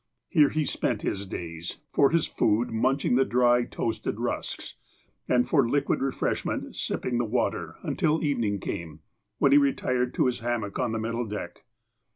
Here he spent his days, for his food munching the dry, toasted rusks, and for liquid refreshment sipping the water, until evening came, when he retired to his ham mock on the middle deck.